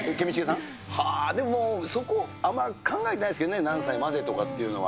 でも、そこ、あんまり考えてないですけどね、何歳までとかっていうのは。